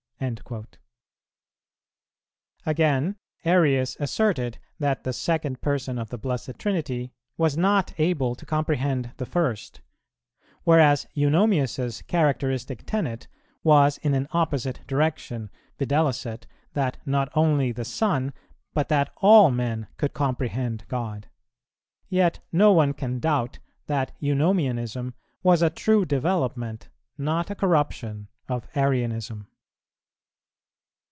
"[174:1] Again, Arius asserted that the Second Person of the Blessed Trinity was not able to comprehend the First, whereas Eunomius's characteristic tenet was in an opposite direction, viz., that not only the Son, but that all men could comprehend God; yet no one can doubt that Eunomianism was a true development, not a corruption of Arianism.